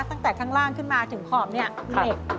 ตั้งแต่ข้างล่างขึ้นมาถึงขอบเนี่ยเหล็ก